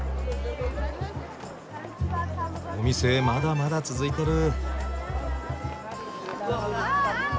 お店まだまだ続いてる。